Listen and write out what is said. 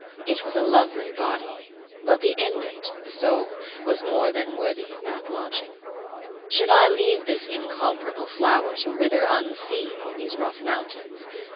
It was a lovely body, but the inmate, the soul, was more than worthy of that lodging. Should I leave this incomparable flower to wither unseen on these rough mountains?